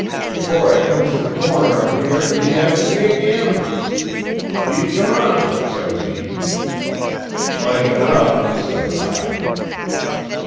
Before I comes to the corner up here, he's after me ag'in. 'He's gone,' says he. 'Like enough,' says I.